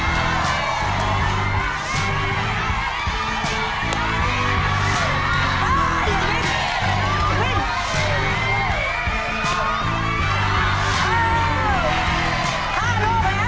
เริ่มกลับไปเร็วดีกว่านี้นะลูกเร็วเร็วกลับไป